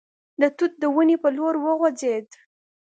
د توت د ونې په لور وخوځېد.